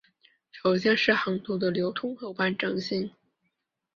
首先是航图的流通和完整性。